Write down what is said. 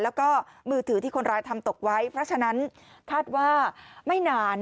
แล้วก็มือถือที่คนร้ายทำตกไว้เพราะฉะนั้นคาดว่าไม่นาน